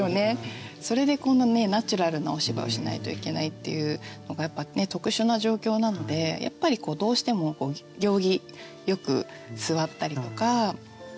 それでこんなナチュラルなお芝居をしないといけないっていうのがやっぱ特殊な状況なのでやっぱりどうしてもお行儀よく座ったりとかなりがちなんですよね。